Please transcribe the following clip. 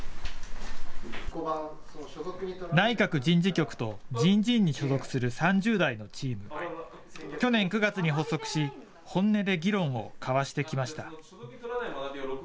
内閣人事局と人事院に所属する３０代のチームで、去年９月に発足し、本音で議論を交わしてきました。